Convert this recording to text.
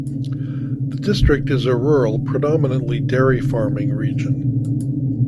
The district is a rural, predominantly dairy farming, region.